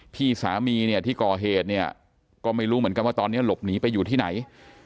พี่สามีเนี่ยที่ก่อเหตุเนี่ยก็ไม่รู้เหมือนกันว่าตอนนี้หลบหนีไปอยู่ที่ไหน